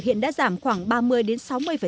hiện đã giảm khoảng ba mươi đến sáu mươi